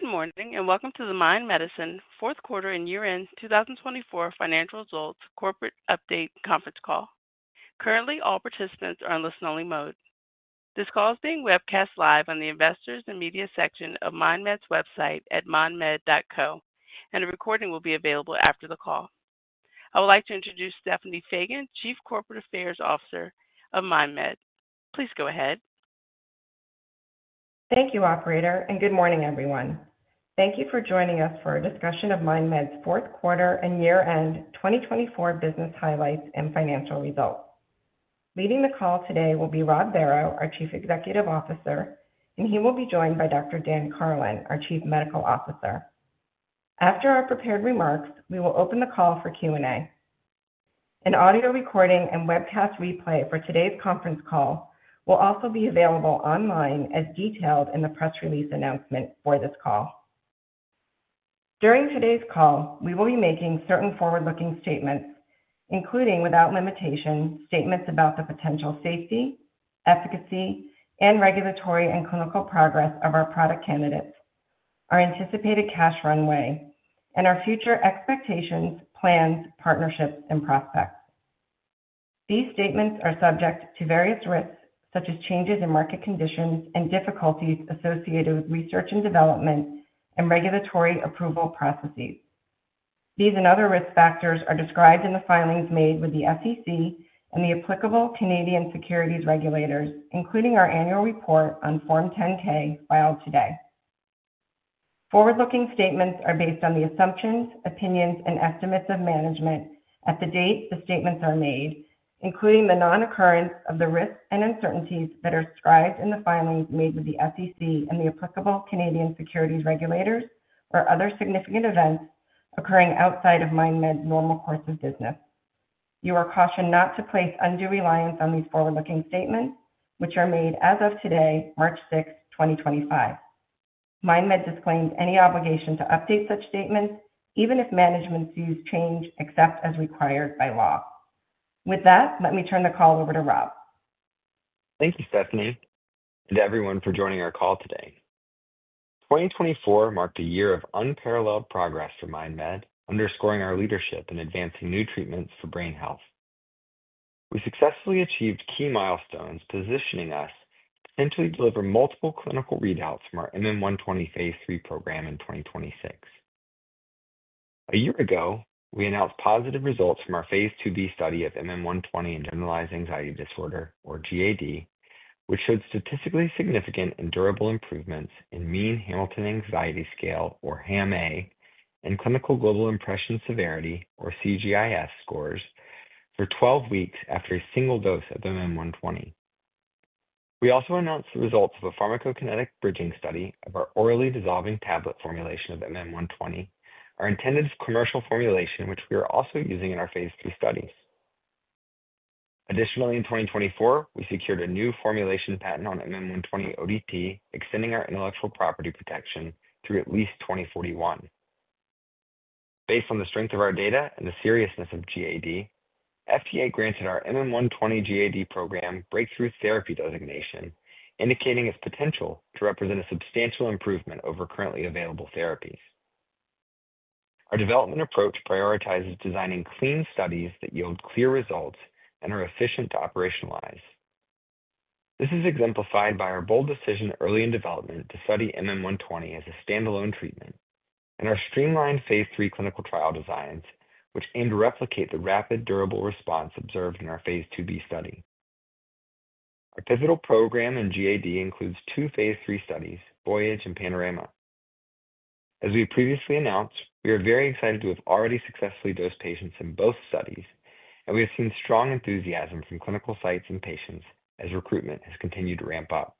Good morning and welcome to the Mind Medicine fourth quarter and year-end 2024 financial results corporate update conference call. Currently, all participants are on listen-only mode. This call is being webcast live on the investors and media section of MindMed's website at mindmed.co, and a recording will be available after the call. I would like to introduce Stephanie Fagan, Chief Corporate Affairs Officer of Mind Medicine. Please go ahead. Thank you, Operator, and good morning, everyone. Thank you for joining us for a discussion of MindMed's fourth quarter and year-end 2024 business highlights and financial results. Leading the call today will be Rob Barrow, our Chief Executive Officer, and he will be joined by Dr. Dan Karlin, our Chief Medical Officer. After our prepared remarks, we will open the call for Q&A. An audio recording and webcast replay for today's conference call will also be available online as detailed in the press release announcement for this call. During today's call, we will be making certain forward-looking statements, including without limitation statements about the potential safety, efficacy, and regulatory and clinical progress of our product candidates, our anticipated cash runway, and our future expectations, plans, partnerships, and prospects. These statements are subject to various risks, such as changes in market conditions and difficulties associated with research and development and regulatory approval processes. These and other risk factors are described in the filings made with the SEC and the applicable Canadian securities regulators, including our annual report on Form 10-K filed today. Forward-looking statements are based on the assumptions, opinions, and estimates of management at the date the statements are made, including the non-occurrence of the risks and uncertainties that are described in the filings made with the SEC and the applicable Canadian securities regulators or other significant events occurring outside of MindMed's normal course of business. You are cautioned not to place undue reliance on these forward-looking statements, which are made as of today, March 6, 2025. MindMed disclaims any obligation to update such statements, even if management sees change except as required by law. With that, let me turn the call over to Rob. Thank you, Stephanie, and everyone for joining our call today. 2024 marked a year of unparalleled progress for MindMed, underscoring our leadership in advancing new treatments for brain health. We successfully achieved key milestones positioning us to potentially deliver multiple clinical readouts from our MM-120 phase III program in 2026. A year ago, we announced positive results from our phase II-`B study of MM-120 in Generalized Anxiety Disorder, or GAD, which showed statistically significant and durable improvements in mean Hamilton Anxiety Rating Scale, or HAMA, and Clinical Global Impression Severity, or CGIS, scores for 12 weeks after a single dose of MM-120. We also announced the results of a pharmacokinetic bridging study of our orally disintegrating tablet formulation of MM-120, our intended commercial formulation, which we are also using in our phase III studies. Additionally, in 2024, we secured a new formulation patent on MM-120 ODT, extending our intellectual property protection through at least 2041. Based on the strength of our data and the seriousness of GAD, FDA granted our MM-120 GAD program Breakthrough Therapy designation, indicating its potential to represent a substantial improvement over currently available therapies. Our development approach prioritizes designing clean studies that yield clear results and are efficient to operationalize. This is exemplified by our bold decision early in development to study MM-120 as a standalone treatment and our streamlined phase III clinical trial designs, which aim to replicate the rapid, durable response observed in our phase IIB study. Our pivotal program in GAD includes two phase III studies, Voyage and Panorama. As we previously announced, we are very excited to have already successfully dosed patients in both studies, and we have seen strong enthusiasm from clinical sites and patients as recruitment has continued to ramp up.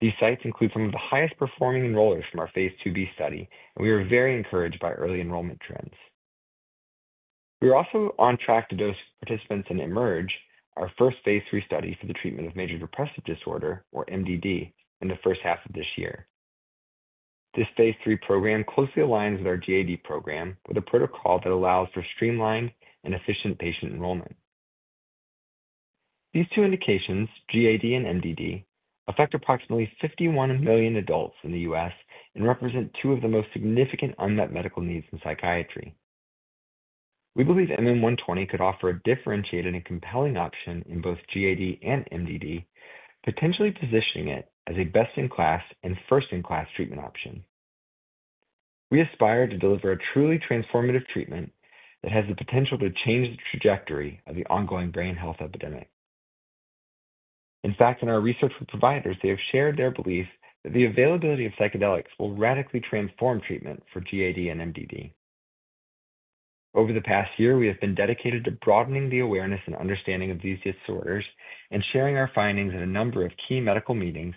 These sites include some of the highest-performing enrollers from our phase IIB study, and we are very encouraged by early enrollment trends. We are also on track to dose participants in Emerge, our first phase III study for the treatment of major depressive disorder, or MDD, in the first half of this year. This phase III program closely aligns with our GAD program with a protocol that allows for streamlined and efficient patient enrollment. These two indications, GAD and MDD, affect approximately 51 million adults in the U.S. and represent two of the most significant unmet medical needs in psychiatry. We believe MM-120 could offer a differentiated and compelling option in both GAD and MDD, potentially positioning it as a best-in-class and first-in-class treatment option. We aspire to deliver a truly transformative treatment that has the potential to change the trajectory of the ongoing brain health epidemic. In fact, in our research with providers, they have shared their belief that the availability of psychedelics will radically transform treatment for GAD and MDD. Over the past year, we have been dedicated to broadening the awareness and understanding of these disorders and sharing our findings at a number of key medical meetings,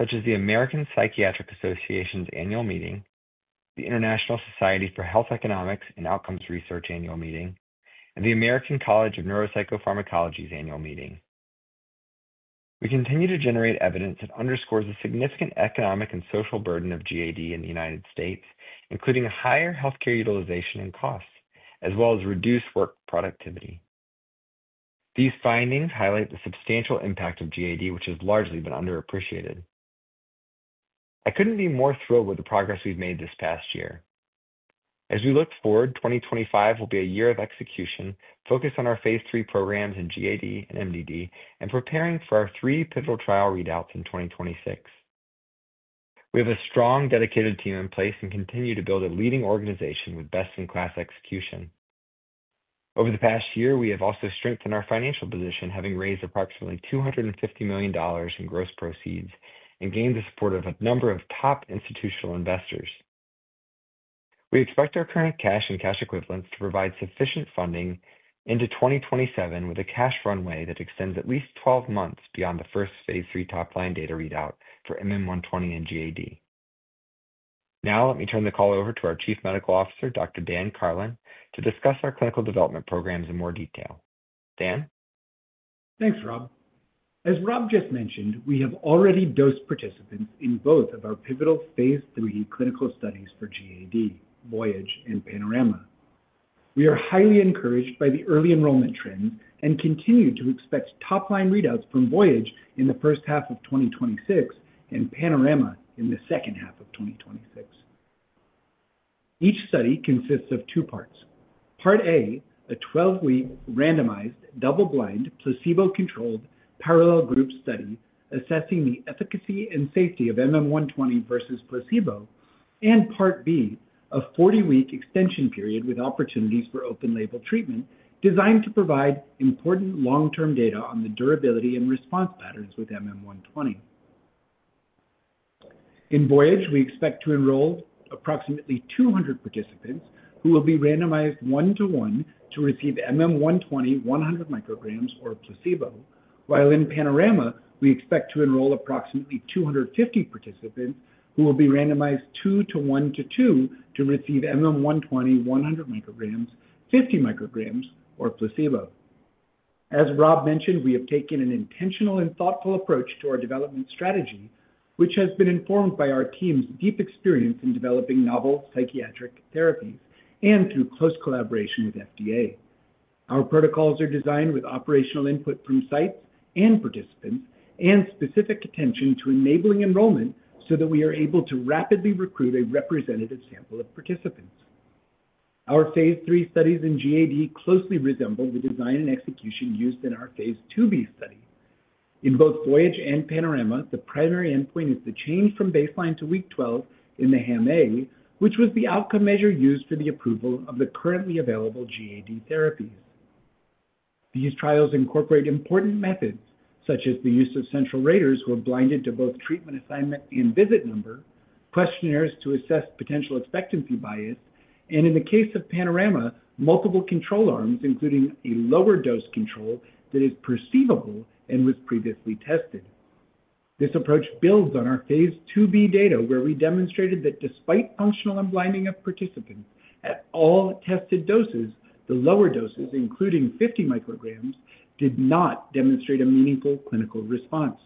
such as the American Psychiatric Association's annual meeting, the International Society for Health Economics and Outcomes Research annual meeting, and the American College of Neuropsychopharmacology's annual meeting. We continue to generate evidence that underscores the significant economic and social burden of GAD in the United States, including higher healthcare utilization and costs, as well as reduced work productivity. These findings highlight the substantial impact of GAD, which has largely been underappreciated. I couldn't be more thrilled with the progress we've made this past year. As we look forward, 2025 will be a year of execution focused on our phase III programs in GAD and MDD and preparing for our three pivotal trial readouts in 2026. We have a strong, dedicated team in place and continue to build a leading organization with best-in-class execution. Over the past year, we have also strengthened our financial position, having raised approximately $250 million in gross proceeds and gained the support of a number of top institutional investors. We expect our current cash and cash equivalents to provide sufficient funding into 2027 with a cash runway that extends at least 12 months beyond the first phase III top-line data readout for MM-120 and GAD. Now, let me turn the call over to our Chief Medical Officer, Dr. Dan Karlin, to discuss our clinical development programs in more detail. Dan? Thanks, Rob. As Rob just mentioned, we have already dosed participants in both of our pivotal phase III clinical studies for GAD, Voyage, and Panorama. We are highly encouraged by the early enrollment trends and continue to expect top-line readouts from Voyage in the first half of 2026 and Panorama in the second half of 2026. Each study consists of two parts. Part A, a 12-week randomized double-blind placebo-controlled parallel group study assessing the efficacy and safety of MM-120 versus placebo, and Part B, a 40-week extension period with opportunities for open-label treatment designed to provide important long-term data on the durability and response patterns with MM-120. In Voyage, we expect to enroll approximately 200 participants who will be randomized one-to-one to receive MM-120 100 micrograms or placebo, while in Panorama, we expect to enroll approximately 250 participants who will be randomized two-to-one-to-two to receive MM-120 100 micrograms, 50 micrograms, or placebo. As Rob mentioned, we have taken an intentional and thoughtful approach to our development strategy, which has been informed by our team's deep experience in developing novel psychiatric therapies and through close collaboration with FDA. Our protocols are designed with operational input from sites and participants and specific attention to enabling enrollment so that we are able to rapidly recruit a representative sample of participants. Our phase III studies in GAD closely resemble the design and execution used in our phase II-B study. In both Voyage and Panorama, the primary endpoint is the change from baseline to week 12 in the HAMA, which was the outcome measure used for the approval of the currently available GAD therapies. These trials incorporate important methods such as the use of central raters who are blinded to both treatment assignment and visit number, questionnaires to assess potential expectancy bias, and in the case of Panorama, multiple control arms, including a lower dose control that is perceivable and was previously tested. This approach builds on our phase II-B data, where we demonstrated that despite functional unblinding of participants at all tested doses, the lower doses, including 50 micrograms, did not demonstrate a meaningful clinical response.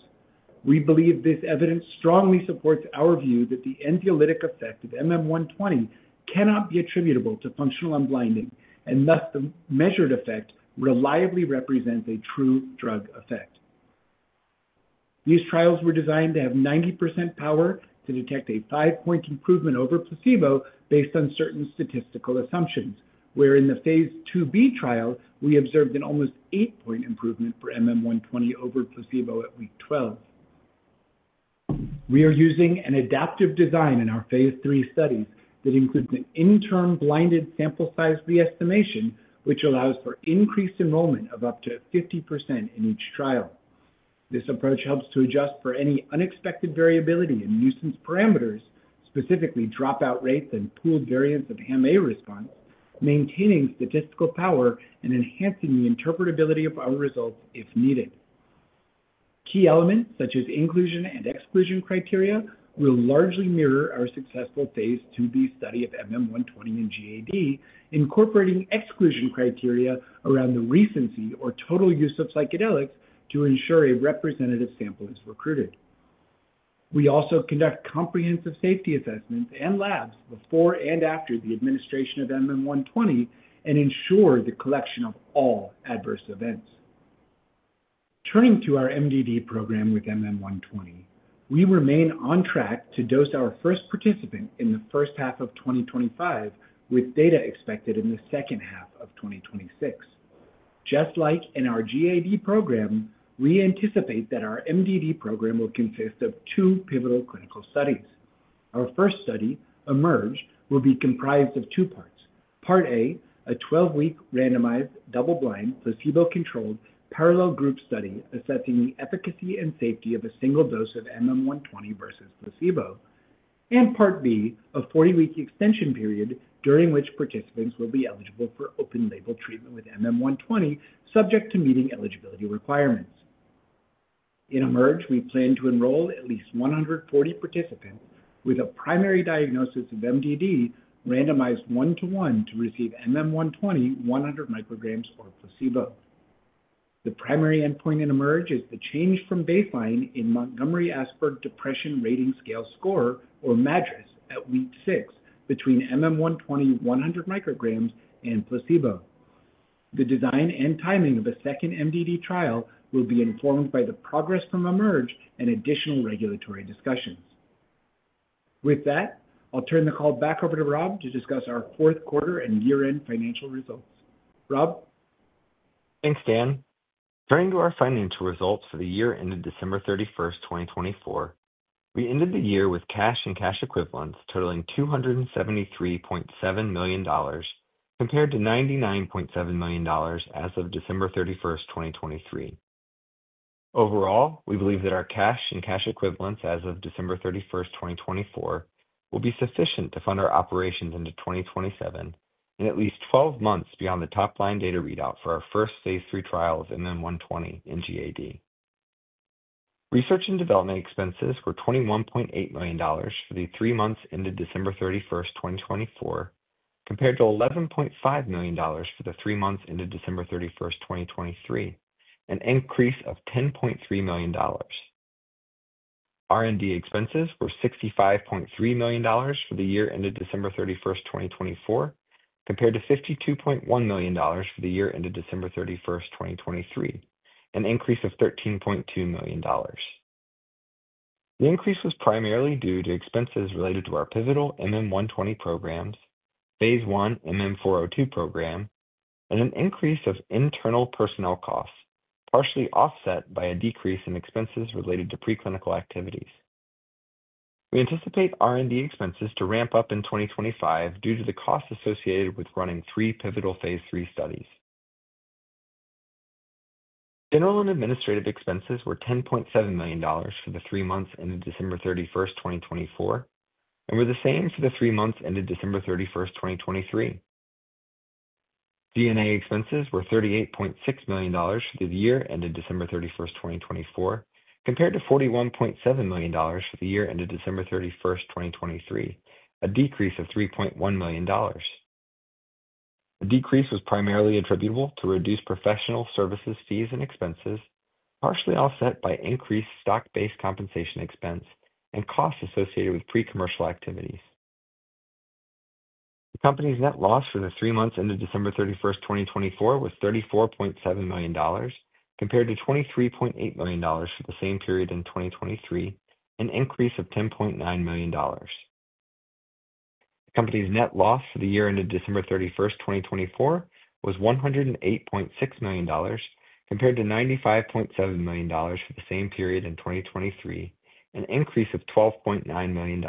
We believe this evidence strongly supports our view that the anxiolytic effect of MM-120 cannot be attributable to functional unblinding, and thus the measured effect reliably represents a true drug effect. These trials were designed to have 90% power to detect a five-point improvement over placebo based on certain statistical assumptions, where in the phase II-B trial, we observed an almost eight-point improvement for MM-120 over placebo at week 12. We are using an adaptive design in our phase III studies that includes an interim blinded sample size re-estimation, which allows for increased enrollment of up to 50% in each trial. This approach helps to adjust for any unexpected variability in nuisance parameters, specifically dropout rates and pooled variance of HAMA response, maintaining statistical power and enhancing the interpretability of our results if needed. Key elements such as inclusion and exclusion criteria will largely mirror our successful phase II-B study of MM-120 and GAD, incorporating exclusion criteria around the recency or total use of psychedelics to ensure a representative sample is recruited. We also conduct comprehensive safety assessments and labs before and after the administration of MM-120 and ensure the collection of all adverse events. Turning to our MDD program with MM-120, we remain on track to dose our first participant in the first half of 2025 with data expected in the second half of 2026. Just like in our GAD program, we anticipate that our MDD program will consist of two pivotal clinical studies. Our first study, Emerge, will be comprised of two parts. Part A, a 12-week randomized double-blind placebo-controlled parallel group study assessing the efficacy and safety of a single dose of MM-120 versus placebo, and Part B, a 40-week extension period during which participants will be eligible for open-label treatment with MM-120, subject to meeting eligibility requirements. In Emerge, we plan to enroll at least 140 participants with a primary diagnosis of MDD randomized one-to-one to receive MM-120 100 micrograms or placebo. The primary endpoint in Emerge is the change from baseline in Montgomery-Asberg Depression Rating Scale score, or MADRS, at week 6 between MM-120 100 micrograms and placebo. The design and timing of a second MDD trial will be informed by the progress from Emerge and additional regulatory discussions. With that, I'll turn the call back over to Rob to discuss our fourth quarter and year-end financial results. Rob? Thanks, Dan. Turning to our financial results for the year ended December 31st, 2024, we ended the year with cash and cash equivalents totaling $273.7 million, compared to $99.7 million as of December 31st, 2023. Overall, we believe that our cash and cash equivalents as of December 31st, 2024, will be sufficient to fund our operations into 2027 and at least 12 months beyond the top-line data readout for our first phase III trial of MM-120 in GAD. Research and development expenses were $21.8 million for the three months ended December 31st, 2024, compared to $11.5 million for the three months ended December 31st, 2023, an increase of $10.3 million. R&D expenses were $65.3 million for the year ended December 31st, 2024, compared to $52.1 million for the year ended December 31st, 2023, an increase of $13.2 million. The increase was primarily due to expenses related to our pivotal MM-120 programs, phase I MM-402 program, and an increase of internal personnel costs, partially offset by a decrease in expenses related to preclinical activities. We anticipate R&D expenses to ramp up in 2025 due to the costs associated with running three pivotal phase III studies. General and administrative expenses were $10.7 million for the three months ended December 31st, 2024, and were the same for the three months ended December 31st, 2023. G&A expenses were $38.6 million for the year ended December 31st, 2024, compared to $41.7 million for the year ended December 31st, 2023, a decrease of $3.1 million. The decrease was primarily attributable to reduced professional services fees and expenses, partially offset by increased stock-based compensation expense and costs associated with pre-commercial activities. The company's net loss for the three months ended December 31st, 2024, was $34.7 million, compared to $23.8 million for the same period in 2023, an increase of $10.9 million. The company's net loss for the year ended December 31st, 2024, was $108.6 million, compared to $95.7 million for the same period in 2023, an increase of $12.9 million.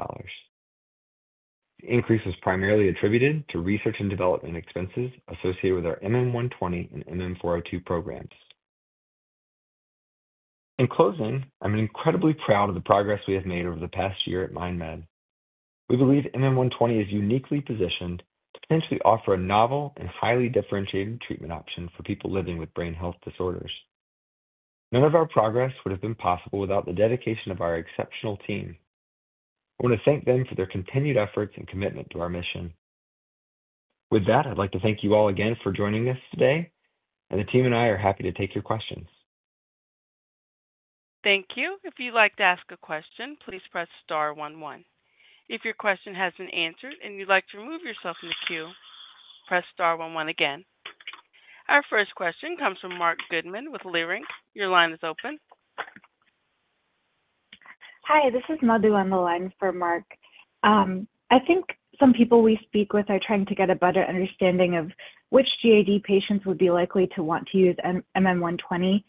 The increase was primarily attributed to research and development expenses associated with our MM-120 and MM-402 programs. In closing, I'm incredibly proud of the progress we have made over the past year at Mind Medicine. We believe MM-120 is uniquely positioned to potentially offer a novel and highly differentiated treatment option for people living with brain health disorders. None of our progress would have been possible without the dedication of our exceptional team. I want to thank them for their continued efforts and commitment to our mission. With that, I'd like to thank you all again for joining us today, and the team and I are happy to take your questions. Thank you. If you'd like to ask a question, please press star 11. If your question hasn't been answered and you'd like to remove yourself from the queue, press star 11 again. Our first question comes from Mark Goodman with Lyric. Your line is open. Hi, this is Madhu on the line for Mark. I think some people we speak with are trying to get a better understanding of which GAD patients would be likely to want to use MM-120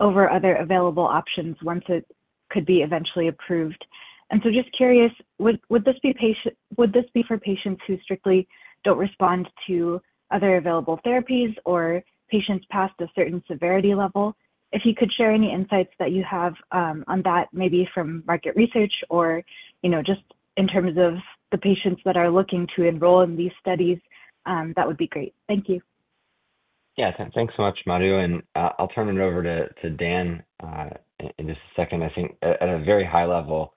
over other available options once it could be eventually approved. I am just curious, would this be for patients who strictly do not respond to other available therapies or patients past a certain severity level? If you could share any insights that you have on that, maybe from market research or just in terms of the patients that are looking to enroll in these studies, that would be great. Thank you. Yeah, thanks so much, Madhu, and I'll turn it over to Dan in just a second. I think at a very high level,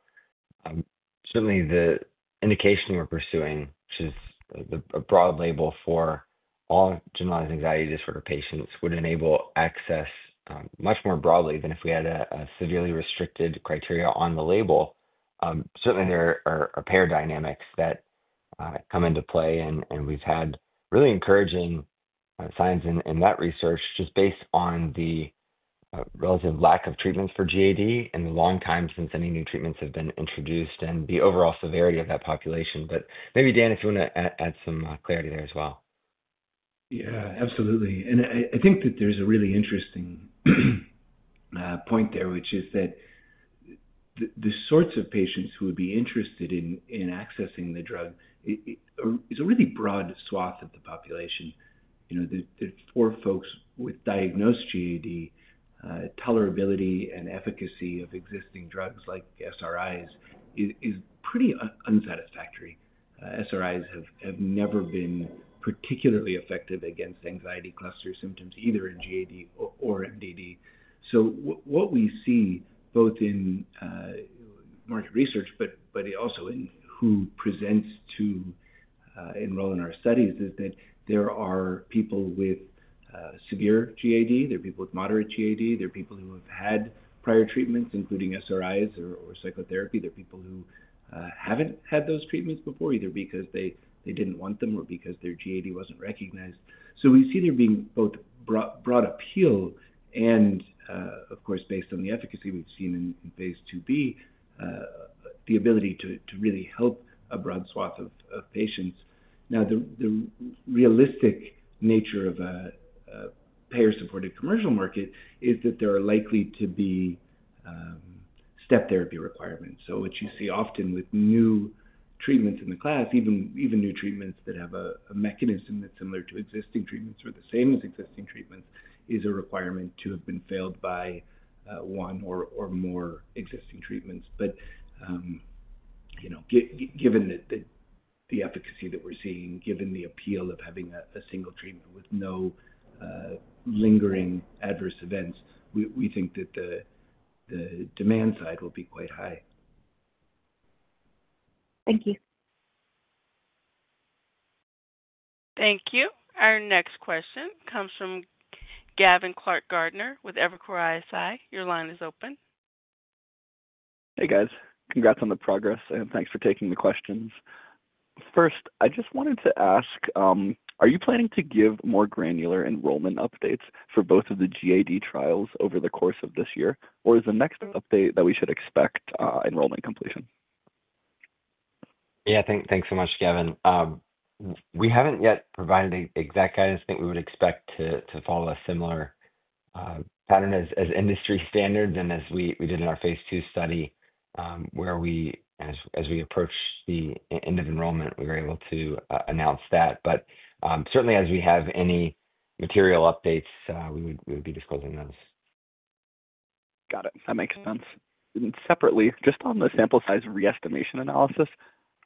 certainly the indication we're pursuing, which is a broad label for all generalized anxiety disorder patients, would enable access much more broadly than if we had a severely restricted criteria on the label. Certainly, there are payer dynamics that come into play, and we've had really encouraging signs in that research just based on the relative lack of treatments for GAD and the long time since any new treatments have been introduced and the overall severity of that population. Maybe, Dan, if you want to add some clarity there as well. Yeah, absolutely. I think that there's a really interesting point there, which is that the sorts of patients who would be interested in accessing the drug is a really broad swath of the population. For folks with diagnosed GAD, tolerability and efficacy of existing drugs like SRIs is pretty unsatisfactory. SRIs have never been particularly effective against anxiety cluster symptoms, either in GAD or MDD. What we see both in market research, but also in who presents to enroll in our studies, is that there are people with severe GAD, there are people with moderate GAD, there are people who have had prior treatments, including SRIs or psychotherapy. There are people who haven't had those treatments before, either because they didn't want them or because their GAD wasn't recognized. We see there being both broad appeal and, of course, based on the efficacy we've seen in phase IIb, the ability to really help a broad swath of patients. The realistic nature of a payer-supported commercial market is that there are likely to be step therapy requirements. What you see often with new treatments in the class, even new treatments that have a mechanism that's similar to existing treatments or the same as existing treatments, is a requirement to have been failed by one or more existing treatments. Given the efficacy that we're seeing, given the appeal of having a single treatment with no lingering adverse events, we think that the demand side will be quite high. Thank you. Thank you. Our next question comes from Gavin Clark Gartner with Evercore ISI. Your line is open. Hey, guys. Congrats on the progress, and thanks for taking the questions. First, I just wanted to ask, are you planning to give more granular enrollment updates for both of the GAD trials over the course of this year, or is the next update that we should expect enrollment completion? Yeah, thanks so much, Gavin. We haven't yet provided exact guidance. I think we would expect to follow a similar pattern as industry standards and as we did in our phase II study, where as we approached the end of enrollment, we were able to announce that. Certainly, as we have any material updates, we would be disclosing those. Got it. That makes sense. Separately, just on the sample size re-estimation analysis,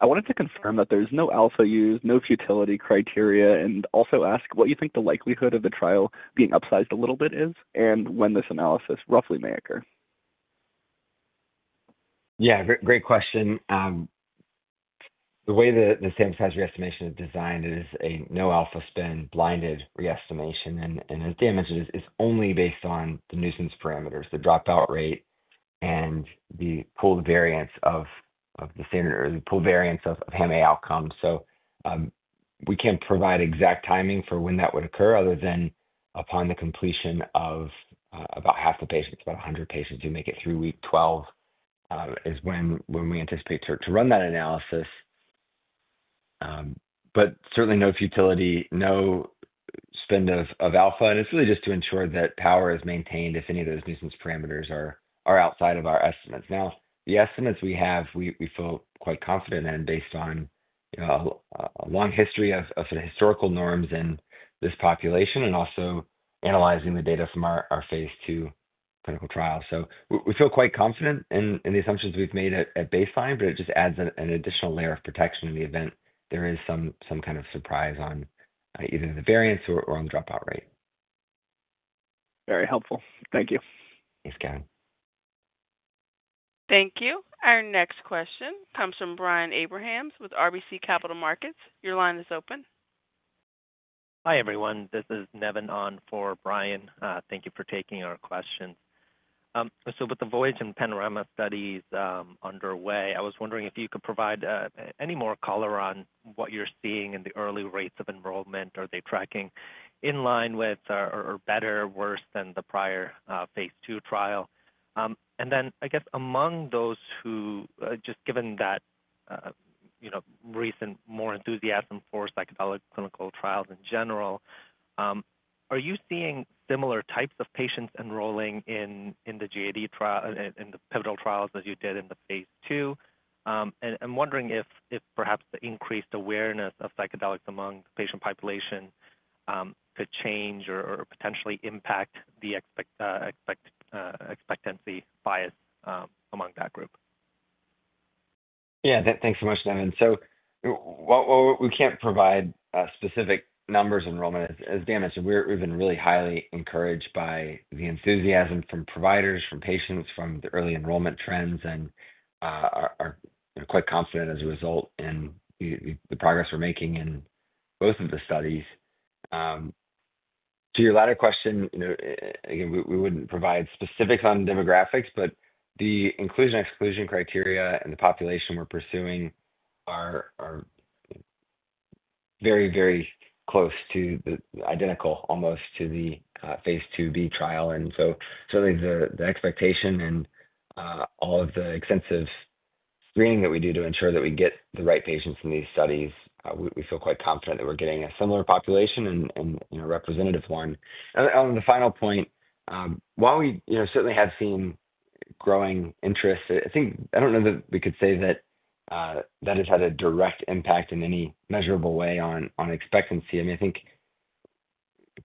I wanted to confirm that there's no alpha used, no futility criteria, and also ask what you think the likelihood of the trial being upsized a little bit is and when this analysis roughly may occur. Yeah, great question. The way the sample size re-estimation is designed is a no alpha spin blinded re-estimation. As Dan mentioned, it's only based on the nuisance parameters, the dropout rate, and the pooled variance of the standard or the pooled variance of MA outcomes. We can't provide exact timing for when that would occur other than upon the completion of about half the patients, about 100 patients. We make it through week 12 is when we anticipate to run that analysis. Certainly, no futility, no spend of alpha. It's really just to ensure that power is maintained if any of those nuisance parameters are outside of our estimates. Now, the estimates we have, we feel quite confident in based on a long history of historical norms in this population and also analyzing the data from our phase II clinical trial. We feel quite confident in the assumptions we've made at baseline, but it just adds an additional layer of protection in the event there is some kind of surprise on either the variance or on the dropout rate. Very helpful. Thank you. Thanks, Gavin. Thank you. Our next question comes from Brian Abrahams with RBC Capital Markets. Your line is open. Hi, everyone. This is Nevin on for Brian. Thank you for taking our questions. With the Voyage and Panorama studies underway, I was wondering if you could provide any more color on what you're seeing in the early rates of enrollment. Are they tracking in line with or better or worse than the prior phase II trial? I guess, among those who, just given that recent more enthusiasm for psychedelic clinical trials in general, are you seeing similar types of patients enrolling in the GAD trial in the pivotal trials as you did in the phase II? I'm wondering if perhaps the increased awareness of psychedelics among the patient population could change or potentially impact the expectancy bias among that group. Yeah, thanks so much, Nevin. While we can't provide specific numbers of enrollment, as Dan mentioned, we've been really highly encouraged by the enthusiasm from providers, from patients, from the early enrollment trends, and are quite confident as a result in the progress we're making in both of the studies. To your latter question, again, we wouldn't provide specifics on demographics, but the inclusion/exclusion criteria and the population we're pursuing are very, very close to identical, almost to the phase II-B trial. Certainly, the expectation and all of the extensive screening that we do to ensure that we get the right patients in these studies, we feel quite confident that we're getting a similar population and a representative one. On the final point, while we certainly have seen growing interest, I don't know that we could say that that has had a direct impact in any measurable way on expectancy. I mean, I think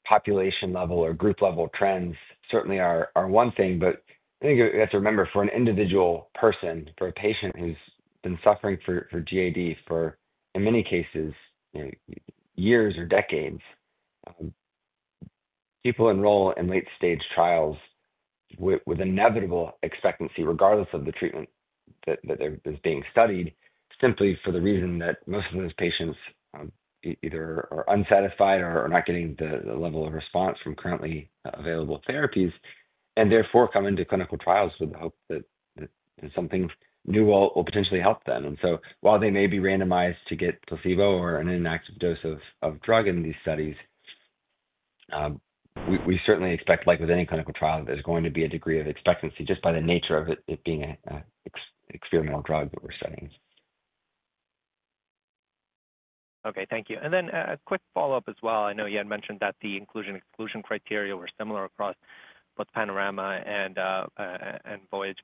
population-level or group-level trends certainly are one thing, but I think we have to remember for an individual person, for a patient who's been suffering for GAD for, in many cases, years or decades, people enroll in late-stage trials with inevitable expectancy, regardless of the treatment that is being studied, simply for the reason that most of those patients either are unsatisfied or not getting the level of response from currently available therapies, and therefore come into clinical trials with the hope that something new will potentially help them. While they may be randomized to get placebo or an inactive dose of drug in these studies, we certainly expect, like with any clinical trial, there's going to be a degree of expectancy just by the nature of it being an experimental drug that we're studying. Okay, thank you. A quick follow-up as well. I know you had mentioned that the inclusion/exclusion criteria were similar across both Panorama and Voyage.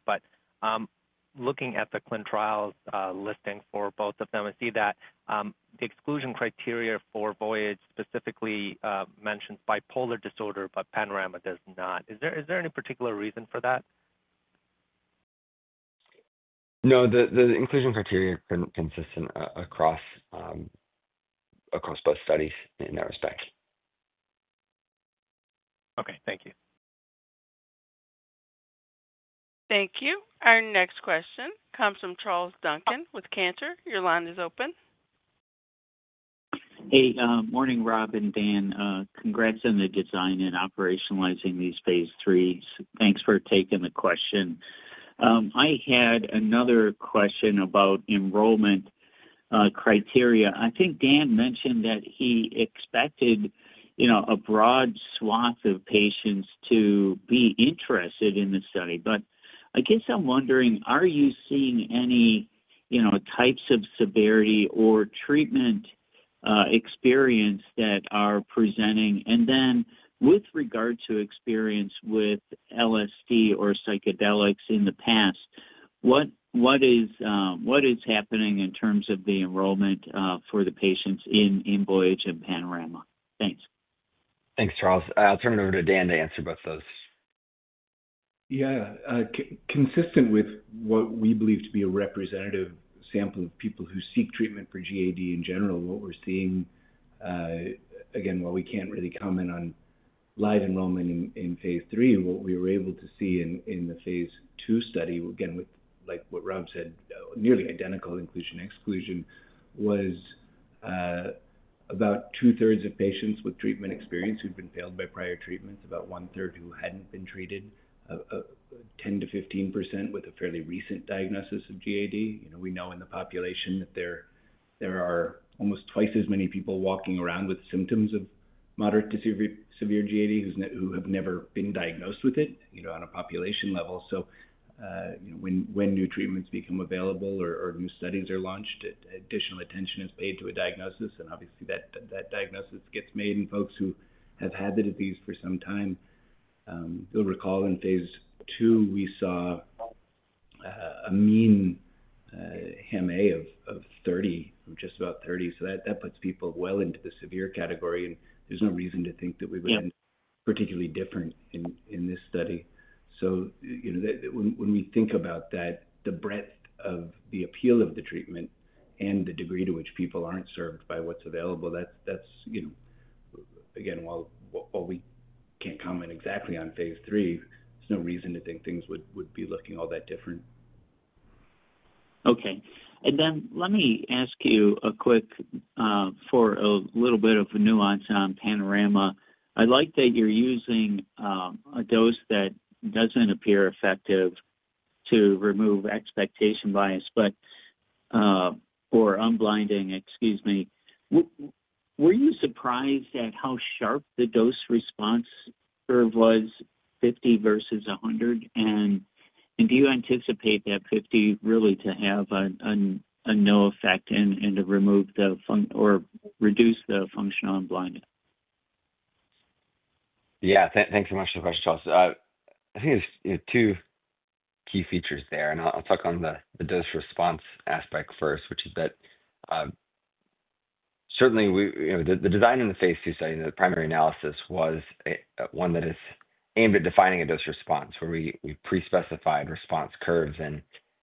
Looking at the clinical trials listing for both of them, I see that the exclusion criteria for Voyage specifically mentions bipolar disorder, but Panorama does not. Is there any particular reason for that? No, the inclusion criteria could not be consistent across both studies in that respect. Okay, thank you. Thank you. Our next question comes from Charles Duncan with Cantor. Your line is open. Hey, morning, Rob and Dan. Congrats on the design and operationalizing these phase IIIs. Thanks for taking the question. I had another question about enrollment criteria. I think Dan mentioned that he expected a broad swath of patients to be interested in the study. I guess I'm wondering, are you seeing any types of severity or treatment experience that are presenting? With regard to experience with LSD or psychedelics in the past, what is happening in terms of the enrollment for the patients in Voyage and Panorama? Thanks. Thanks, Charles. I'll turn it over to Dan to answer both those. Yeah, consistent with what we believe to be a representative sample of people who seek treatment for GAD in general, what we're seeing, again, while we can't really comment on live enrollment in phase III, what we were able to see in the phase II study, again, like what Rob said, nearly identical inclusion/exclusion, was about two-thirds of patients with treatment experience who'd been failed by prior treatments, about one-third who hadn't been treated, 10-15% with a fairly recent diagnosis of GAD. We know in the population that there are almost twice as many people walking around with symptoms of moderate to severe GAD who have never been diagnosed with it on a population level. When new treatments become available or new studies are launched, additional attention is paid to a diagnosis. Obviously, that diagnosis gets made. Folks who have had the disease for some time, you'll recall in phase II, we saw a mean MA of 30, just about 30. That puts people well into the severe category. There's no reason to think that we would end up particularly different in this study. When we think about that, the breadth of the appeal of the treatment and the degree to which people aren't served by what's available, that's, again, while we can't comment exactly on phase III, there's no reason to think things would be looking all that different. Okay. Let me ask you a quick for a little bit of nuance on Panorama. I like that you're using a dose that doesn't appear effective to remove expectation bias or unblinding, excuse me. Were you surprised at how sharp the dose response curve was, 50 versus 100? Do you anticipate that 50 really to have a no effect and to remove the or reduce the functional unblinding? Yeah, thanks so much for the question, Charles. I think there's two key features there. I'll talk on the dose response aspect first, which is that certainly, the design in the phase II study, the primary analysis was one that is aimed at defining a dose response where we pre-specified response curves and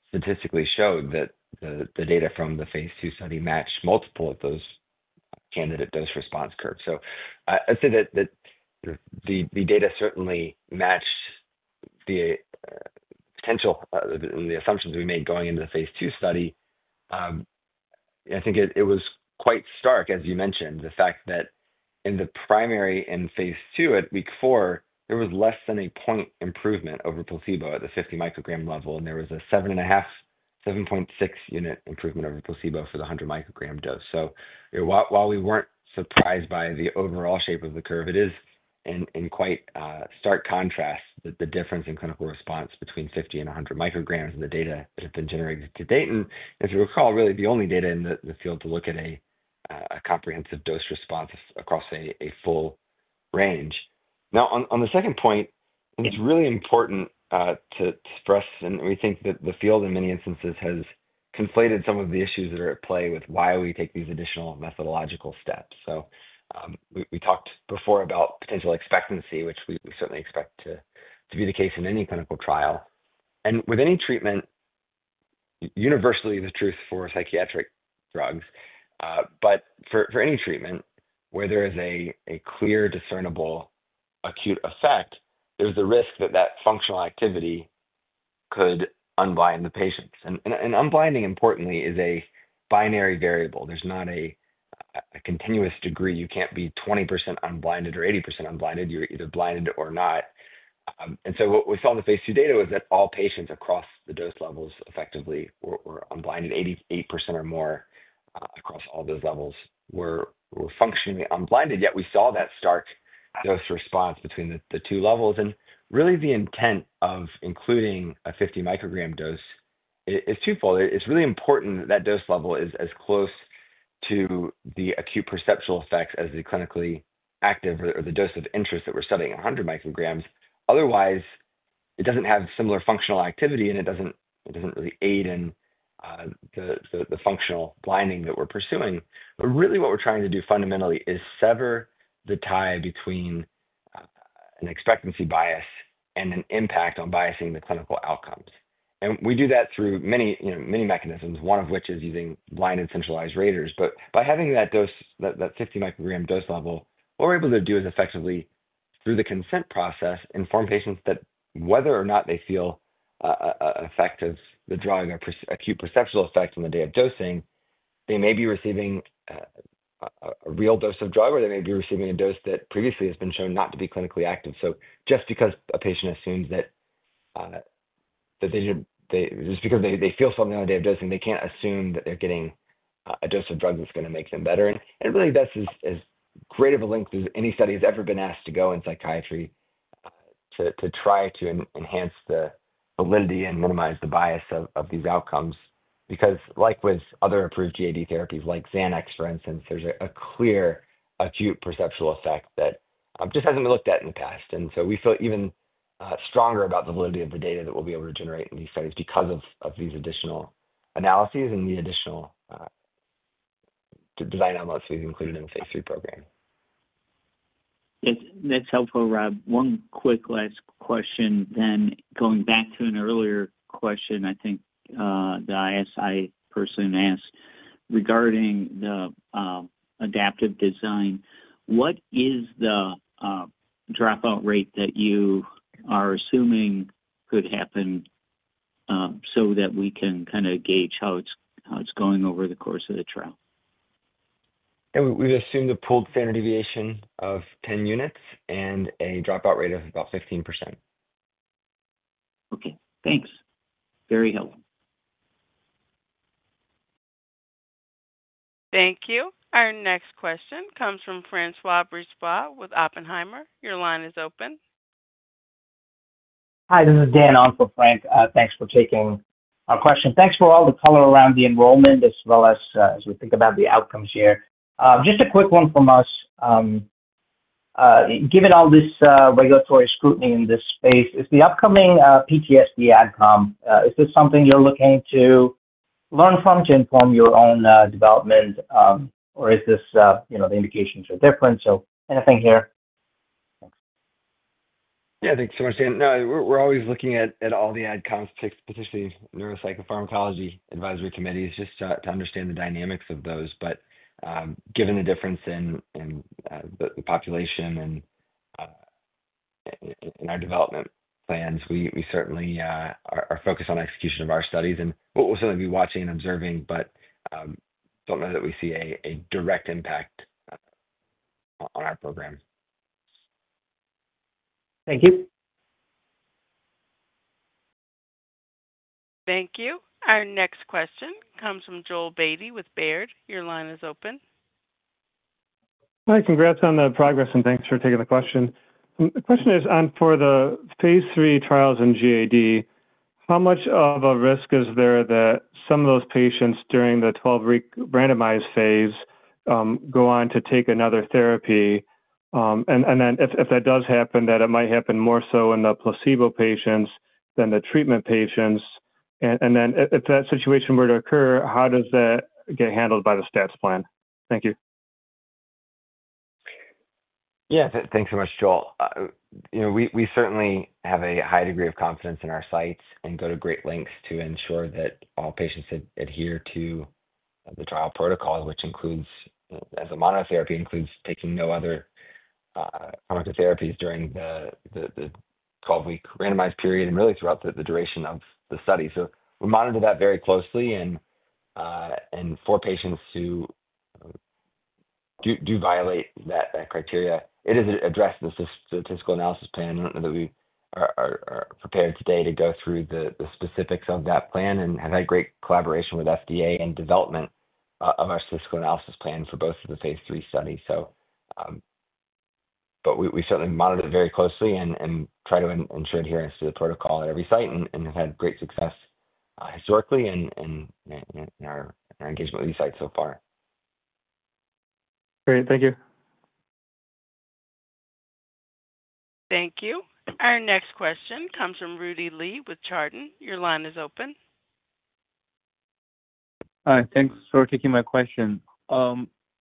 statistically showed that the data from the phase II study matched multiple of those candidate dose response curves. I'd say that the data certainly matched the potential and the assumptions we made going into the phase II study. I think it was quite stark, as you mentioned, the fact that in the primary in phase II at week four, there was less than a point improvement over placebo at the 50 microgram level. There was a 7.6 unit improvement over placebo for the 100 microgram dose. While we were not surprised by the overall shape of the curve, it is in quite stark contrast, the difference in clinical response between 50 and 100 micrograms in the data that have been generated to date. As you recall, really, the only data in the field to look at a comprehensive dose response across a full range. Now, on the second point, it is really important for us, and we think that the field in many instances has conflated some of the issues that are at play with why we take these additional methodological steps. We talked before about potential expectancy, which we certainly expect to be the case in any clinical trial. With any treatment, universally, the truth for psychiatric drugs. For any treatment where there is a clear, discernible acute effect, there is a risk that that functional activity could unblind the patients. Unblinding, importantly, is a binary variable. There's not a continuous degree. You can't be 20% unblinded or 80% unblinded. You're either blinded or not. What we saw in the phase II data was that all patients across the dose levels effectively were unblinded. 88% or more across all those levels were functionally unblinded. Yet we saw that stark dose response between the two levels. Really, the intent of including a 50 microgram dose is twofold. It's really important that that dose level is as close to the acute perceptual effects as the clinically active or the dose of interest that we're studying, 100 micrograms. Otherwise, it doesn't have similar functional activity, and it doesn't really aid in the functional blinding that we're pursuing. What we're trying to do fundamentally is sever the tie between an expectancy bias and an impact on biasing the clinical outcomes. We do that through many mechanisms, one of which is using blinded centralized raters. By having that 50 microgram dose level, what we're able to do is effectively, through the consent process, inform patients that whether or not they feel effect of the drug or acute perceptual effect on the day of dosing, they may be receiving a real dose of drug, or they may be receiving a dose that previously has been shown not to be clinically active. Just because a patient assumes that just because they feel something on the day of dosing, they can't assume that they're getting a dose of drug that's going to make them better. That's as great of a link as any study has ever been asked to go in psychiatry to try to enhance the validity and minimize the bias of these outcomes. Like with other approved GAD therapies like Xanax, for instance, there's a clear acute perceptual effect that just hasn't been looked at in the past. We feel even stronger about the validity of the data that we'll be able to generate in these studies because of these additional analyses and the additional design elements we've included in the phase III program. That's helpful, Rob. One quick last question then. Going back to an earlier question, I think that I asked, I personally asked regarding the adaptive design, what is the dropout rate that you are assuming could happen so that we can kind of gauge how it's going over the course of the trial? We've assumed a pooled standard deviation of 10 units and a dropout rate of about 15%. Okay, thanks. Very helpful. Thank you. Our next question comes from François Brisebois with Oppenheimer. Your line is open. Hi, this is Dan. I'm for Frank. Thanks for taking our question. Thanks for all the color around the enrollment as well as we think about the outcomes here. Just a quick one from us. Given all this regulatory scrutiny in this space, is the upcoming PTSD adcom, is this something you're looking to learn from to inform your own development, or is this the indications are different? Anything here? Thanks. Yeah, thanks so much, Dan. No, we're always looking at all the adcoms, particularly neuropsychopharmacology advisory committees, just to understand the dynamics of those. Given the difference in the population and our development plans, we certainly are focused on execution of our studies and what we'll certainly be watching and observing, but don't know that we see a direct impact on our program. Thank you. Thank you. Our next question comes from Joel Beatty with Baird. Your line is open. Hi, congrats on the progress, and thanks for taking the question. The question is, for the phase III trials in GAD, how much of a risk is there that some of those patients during the 12-week randomized phase go on to take another therapy? If that does happen, that it might happen more so in the placebo patients than the treatment patients. If that situation were to occur, how does that get handled by the stats plan? Thank you. Yeah, thanks so much, Joel. We certainly have a high degree of confidence in our sites and go to great lengths to ensure that all patients adhere to the trial protocol, which includes, as a monotherapy, includes taking no other pharmacotherapies during the 12-week randomized period and really throughout the duration of the study. We monitor that very closely. For patients who do violate that criteria, it is addressed in the statistical analysis plan. I don't know that we are prepared today to go through the specifics of that plan and have had great collaboration with FDA in development of our statistical analysis plan for both of the phase III studies. We certainly monitor it very closely and try to ensure adherence to the protocol at every site and have had great success historically in our engagement with these sites so far. Great, thank you. Thank you. Our next question comes from Rudy Li with Chardan. Your line is open. Hi, thanks for taking my question.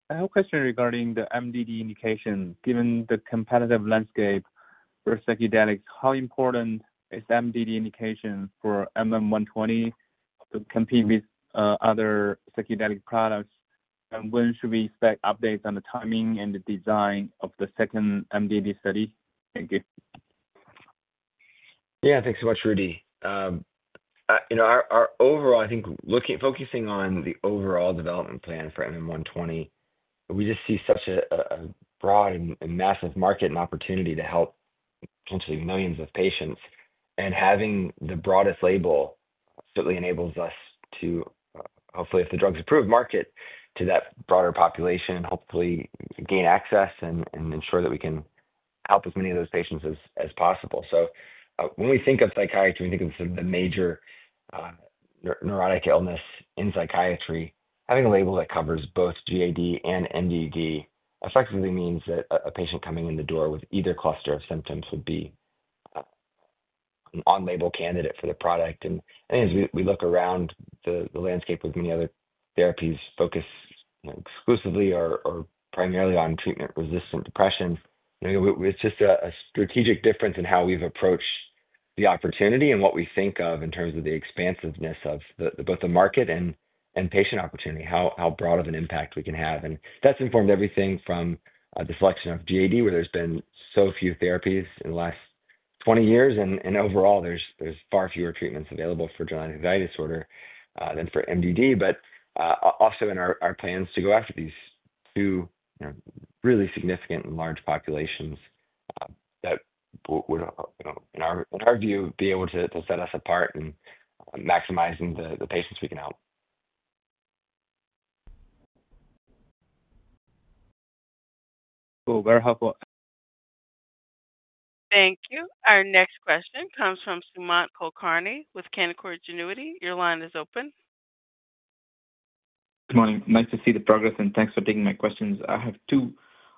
I have a question regarding the MDD indication. Given the competitive landscape for psychedelics, how important is MDD indication for MM-120 to compete with other psychedelic products? When should we expect updates on the timing and the design of the second MDD study? Thank you. Yeah, thanks so much, Rudy. Our overall, I think, focusing on the overall development plan for MM-120, we just see such a broad and massive market and opportunity to help potentially millions of patients. Having the broadest label certainly enables us to, hopefully, if the drug's approved, market to that broader population and hopefully gain access and ensure that we can help as many of those patients as possible. When we think of psychiatry, we think of the major neurotic illness in psychiatry. Having a label that covers both GAD and MDD effectively means that a patient coming in the door with either cluster of symptoms would be an on-label candidate for the product. As we look around the landscape with many other therapies focused exclusively or primarily on treatment-resistant depression, it's just a strategic difference in how we've approached the opportunity and what we think of in terms of the expansiveness of both the market and patient opportunity, how broad of an impact we can have. That's informed everything from the selection of GAD, where there's been so few therapies in the last 20 years. Overall, there's far fewer treatments available for generalized anxiety disorder than for MDD. Also in our plans to go after these two really significant and large populations that would, in our view, be able to set us apart in maximizing the patients we can help. Cool, very helpful. Thank you. Our next question comes from Sumant Kulkarni with Canaccord Genuity. Your line is open. Good morning. Nice to see the progress, and thanks for taking my questions. I have two.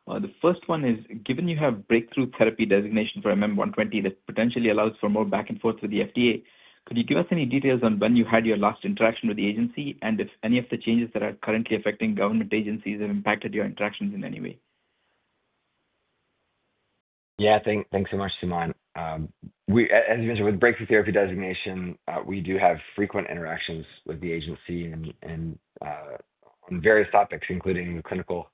The first one is, given you have Breakthrough Therapy designation for MM-120 that potentially allows for more back and forth with the FDA, could you give us any details on when you had your last interaction with the agency and if any of the changes that are currently affecting government agencies have impacted your interactions in any way? Yeah, thanks so much, Sumant. As you mentioned, with Breakthrough Therapy designation, we do have frequent interactions with the agency on various topics, including the clinical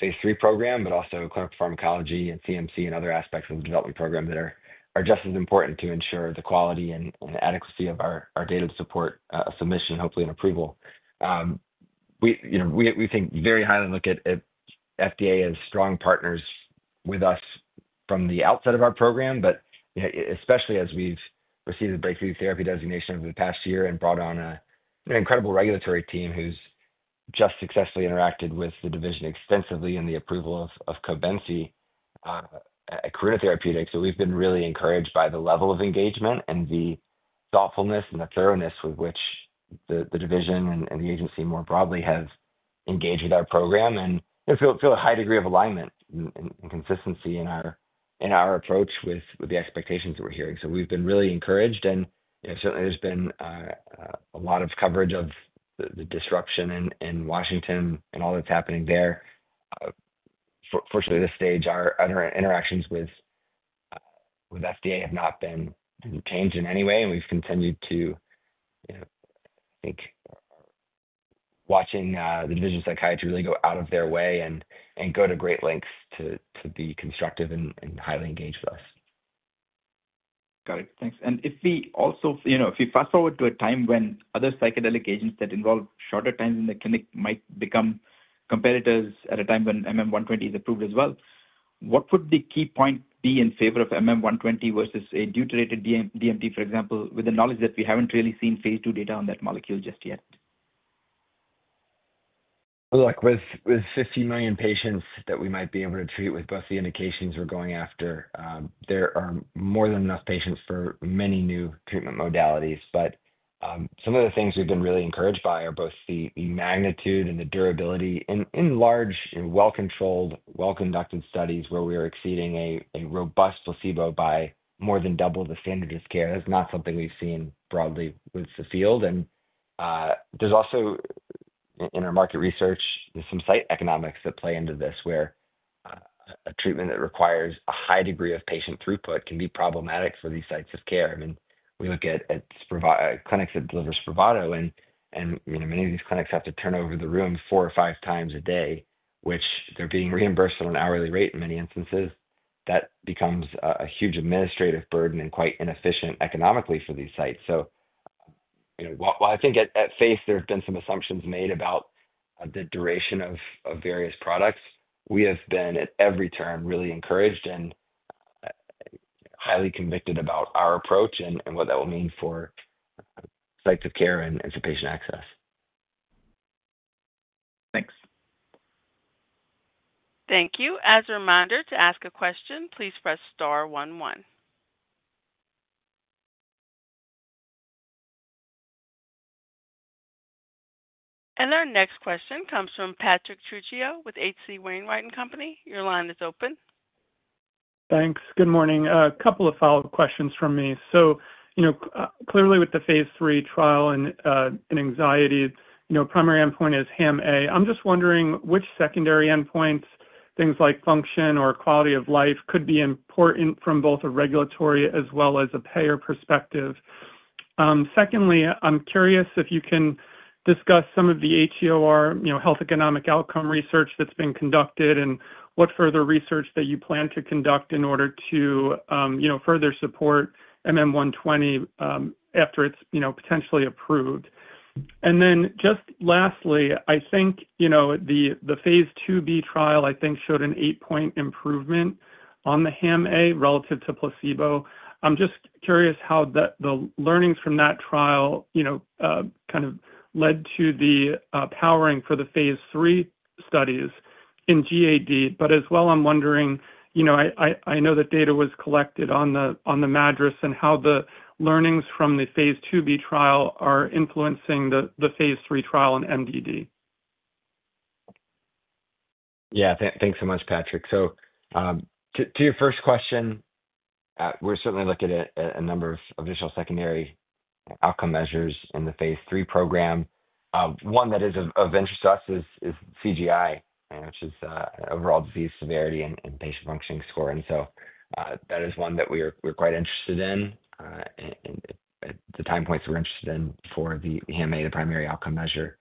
phase III program, but also clinical pharmacology and CMC and other aspects of the development program that are just as important to ensure the quality and adequacy of our data to support a submission, hopefully an approval. We think very highly, look at FDA as strong partners with us from the outset of our program, but especially as we've received the Breakthrough Therapy designation over the past year and brought on an incredible regulatory team who's just successfully interacted with the division extensively in the approval of COVENFY at Carina Therapeutics. We have been really encouraged by the level of engagement and the thoughtfulness and the thoroughness with which the division and the agency more broadly have engaged with our program and feel a high degree of alignment and consistency in our approach with the expectations that we're hearing. We have been really encouraged. Certainly, there's been a lot of coverage of the disruption in Washington and all that's happening there. Fortunately, at this stage, our interactions with FDA have not been changed in any way. We have continued to, I think, watch the division of psychiatry really go out of their way and go to great lengths to be constructive and highly engaged with us. Got it. Thanks. If we also fast forward to a time when other psychedelic agents that involve shorter times in the clinic might become competitors at a time when MM120 is approved as well, what would the key point be in favor of MM120 versus a deuterated DMT, for example, with the knowledge that we have not really seen phase II data on that molecule just yet? Look, with 50 million patients that we might be able to treat with both the indications we're going after, there are more than enough patients for many new treatment modalities. Some of the things we've been really encouraged by are both the magnitude and the durability in large, well-controlled, well-conducted studies where we are exceeding a robust placebo by more than double the standard of care. That's not something we've seen broadly with the field. In our market research, some site economics play into this where a treatment that requires a high degree of patient throughput can be problematic for these sites of care. I mean, we look at clinics that deliver Spravato, and many of these clinics have to turn over the room four or five times a day, which they're being reimbursed on an hourly rate in many instances. That becomes a huge administrative burden and quite inefficient economically for these sites. While I think at phase III, there have been some assumptions made about the duration of various products, we have been at every turn really encouraged and highly convicted about our approach and what that will mean for sites of care and for patient access. Thanks. Thank you. As a reminder, to ask a question, please press star 11. Our next question comes from Patrick Trujillo with H.C. Wainwright & Company. Your line is open. Thanks. Good morning. A couple of follow-up questions from me. Clearly, with the phase III trial in anxiety, primary endpoint is HAMA. I'm just wondering which secondary endpoints, things like function or quality of life, could be important from both a regulatory as well as a payer perspective. Secondly, I'm curious if you can discuss some of the HEOR, health economic outcome research that's been conducted, and what further research that you plan to conduct in order to further support MM-120 after it's potentially approved. Lastly, I think the phase II-B trial showed an eight-point improvement on the HAMA relative to placebo. I'm just curious how the learnings from that trial kind of led to the powering for the phase III studies in GAD. As well, I'm wondering, I know that data was collected on the MADRS and how the learnings from the phase II-B trial are influencing the phase III trial in MDD. Yeah, thanks so much, Patrick. To your first question, we're certainly looking at a number of additional secondary outcome measures in the phase III program. One that is of interest to us is CGI, which is overall disease severity and patient functioning score. That is one that we're quite interested in and the time points we're interested in for the HAMA, the primary outcome measure.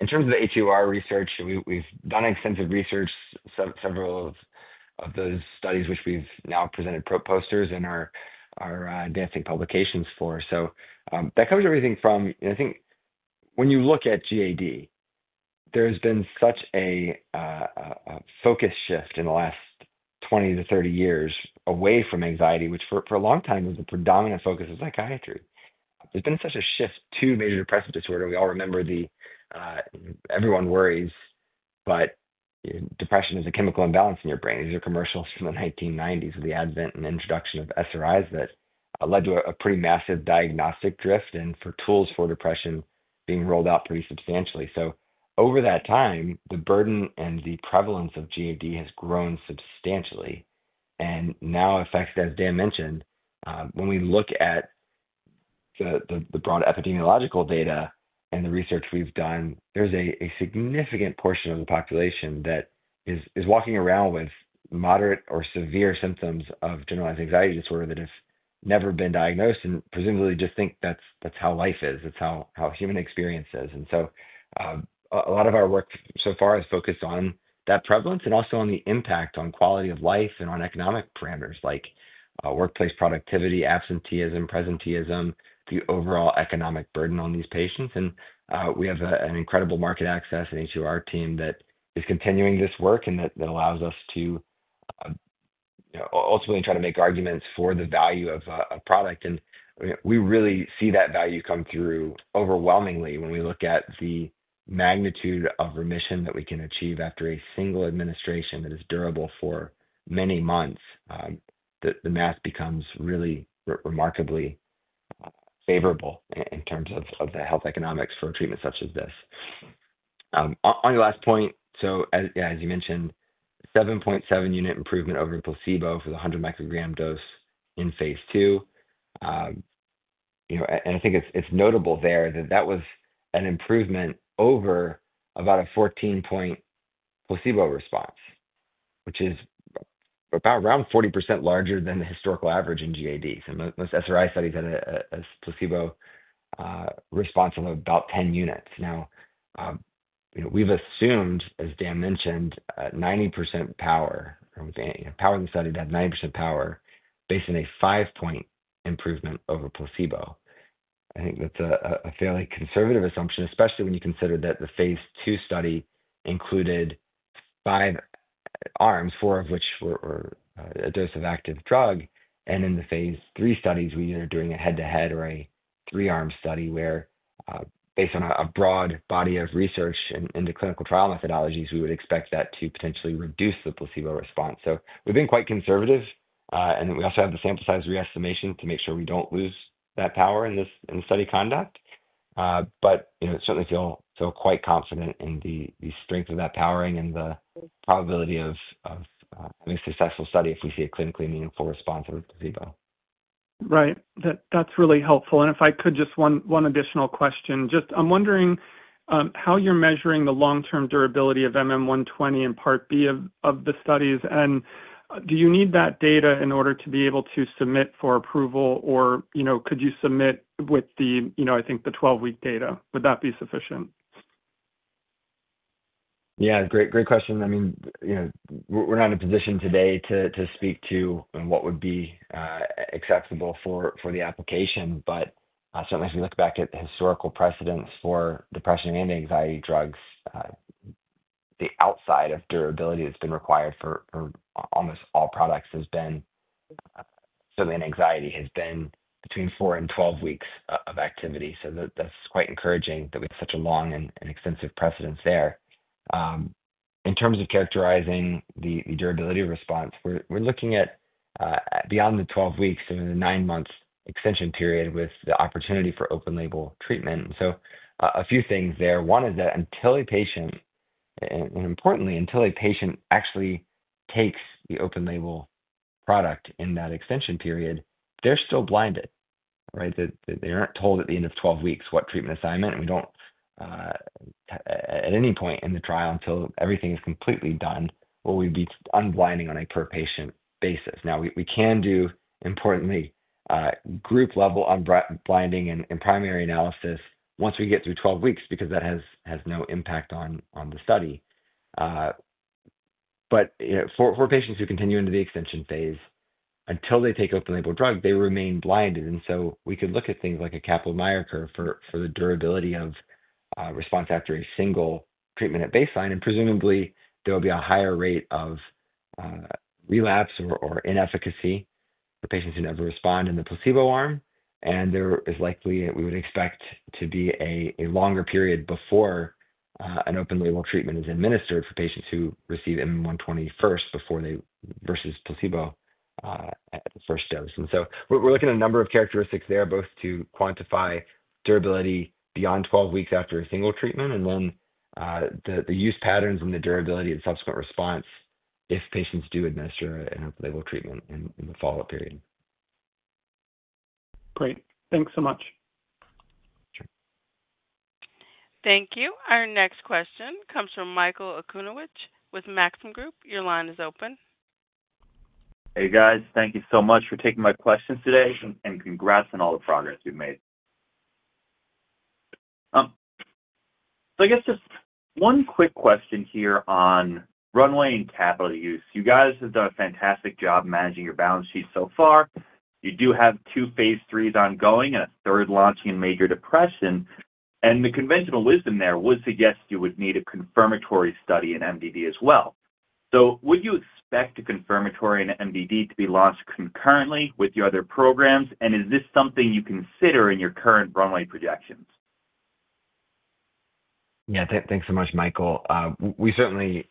In terms of the HEOR research, we've done extensive research, several of those studies, which we've now presented as posters and are advancing publications for. That covers everything from, I think, when you look at GAD, there has been such a focus shift in the last 20 to 30 years away from anxiety, which for a long time was the predominant focus of psychiatry. There's been such a shift to major depressive disorder. We all remember the, "Everyone worries," but depression is a chemical imbalance in your brain. These are commercials from the 1990s with the advent and introduction of SRIs that led to a pretty massive diagnostic drift and for tools for depression being rolled out pretty substantially. Over that time, the burden and the prevalence of GAD has grown substantially. Now, as Dan mentioned, when we look at the broad epidemiological data and the research we've done, there's a significant portion of the population that is walking around with moderate or severe symptoms of generalized anxiety disorder that has never been diagnosed and presumably just think that's how life is, that's how human experience is. A lot of our work so far has focused on that prevalence and also on the impact on quality of life and on economic parameters like workplace productivity, absenteeism, presenteeism, the overall economic burden on these patients. We have an incredible market access and HEOR team that is continuing this work and that allows us to ultimately try to make arguments for the value of a product. We really see that value come through overwhelmingly when we look at the magnitude of remission that we can achieve after a single administration that is durable for many months. The math becomes really remarkably favorable in terms of the health economics for a treatment such as this. On your last point, as you mentioned, 7.7 unit improvement over placebo for the 100 microgram dose in phase II. I think it's notable there that that was an improvement over about a 14-point placebo response, which is about around 40% larger than the historical average in GAD. Most SRI studies had a placebo response of about 10 units. Now, we've assumed, as Dan mentioned, 90% power from the study to have 90% power based on a five-point improvement over placebo. I think that's a fairly conservative assumption, especially when you consider that the phase II study included five arms, four of which were a dose of active drug. In the phase III studies, we are doing a head-to-head or a three-arm study where, based on a broad body of research and into clinical trial methodologies, we would expect that to potentially reduce the placebo response. We've been quite conservative. We also have the sample size re-estimation to make sure we do not lose that power in the study conduct. Certainly, feel quite confident in the strength of that powering and the probability of having a successful study if we see a clinically meaningful response over placebo. Right. That's really helpful. If I could, just one additional question. I'm wondering how you're measuring the long-term durability of MM-120 in part B of the studies. Do you need that data in order to be able to submit for approval, or could you submit with the, I think, the 12-week data? Would that be sufficient? Yeah, great question. I mean, we're not in a position today to speak to what would be acceptable for the application. Certainly, as we look back at the historical precedents for depression and anxiety drugs, the outside of durability that's been required for almost all products has been, certainly in anxiety, has been between 4 and 12 weeks of activity. That's quite encouraging that we have such a long and extensive precedence there. In terms of characterizing the durability response, we're looking at beyond the 12 weeks, so the nine-months extension period with the opportunity for open-label treatment. A few things there. One is that until a patient, and importantly, until a patient actually takes the open-label product in that extension period, they're still blinded, right? They aren't told at the end of 12 weeks what treatment assignment. We don't, at any point in the trial, until everything is completely done, will we be unblinding on a per-patient basis. Now, we can do, importantly, group-level blinding and primary analysis once we get through 12 weeks because that has no impact on the study. For patients who continue into the extension phase, until they take open-label drug, they remain blinded. We could look at things like a Kaplan-Meier curve for the durability of response after a single treatment at baseline. Presumably, there will be a higher rate of relapse or inefficacy for patients who never respond in the placebo arm. There is likely we would expect to be a longer period before an open-label treatment is administered for patients who receive MM-120 first versus placebo at the first dose. We are looking at a number of characteristics there, both to quantify durability beyond 12 weeks after a single treatment and then the use patterns and the durability and subsequent response if patients do administer an open-label treatment in the follow-up period. Great. Thanks so much. Thank you. Our next question comes from Michael Akunowicz with Maxim Group. Your line is open. Hey, guys. Thank you so much for taking my questions today and congrats on all the progress we've made. I guess just one quick question here on runway and capital use. You guys have done a fantastic job managing your balance sheet so far. You do have two phase IIIs ongoing and a third launching in major depression. The conventional wisdom there would suggest you would need a confirmatory study in MDD as well. Would you expect a confirmatory in MDD to be launched concurrently with your other programs? Is this something you consider in your current runway projections? Yeah, thanks so much, Michael. We certainly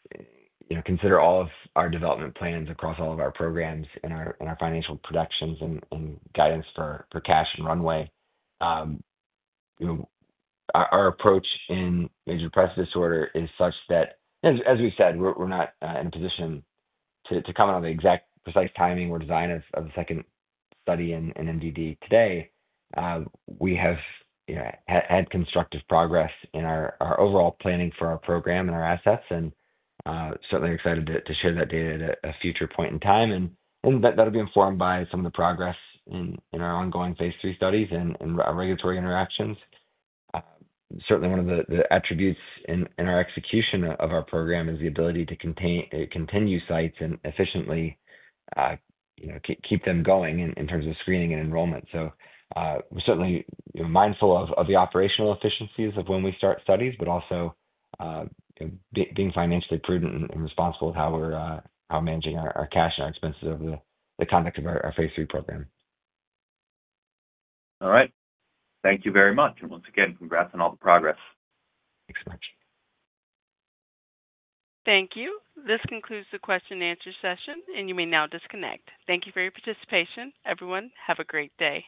consider all of our development plans across all of our programs and our financial projections and guidance for cash and runway. Our approach in major depressive disorder is such that, as we said, we're not in a position to comment on the exact precise timing or design of the second study in MDD today. We have had constructive progress in our overall planning for our program and our assets and certainly excited to share that data at a future point in time. That will be informed by some of the progress in our ongoing phase III studies and regulatory interactions. Certainly, one of the attributes in our execution of our program is the ability to continue sites and efficiently keep them going in terms of screening and enrollment. We're certainly mindful of the operational efficiencies of when we start studies, but also being financially prudent and responsible with how we're managing our cash and our expenses over the context of our phase III program. All right. Thank you very much. Once again, congrats on all the progress. Thanks so much. Thank you. This concludes the question-and-answer session, and you may now disconnect. Thank you for your participation, everyone. Have a great day.